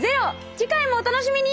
次回もお楽しみに！